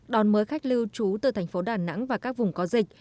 đón mới khách lưu trú từ tp đà nẵng và các vùng có dịch